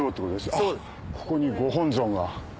あっここにご本尊が。